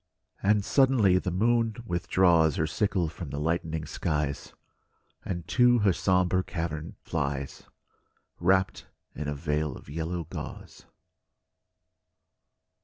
And suddenly the moon withdraws Her sickle from the lightening skies, And to her sombre cavern flies, Wrapped in a veil of yellow gauze.